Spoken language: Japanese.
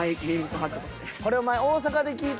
これお前